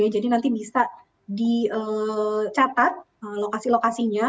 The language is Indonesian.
jadi nanti bisa dicatat lokasi lokasinya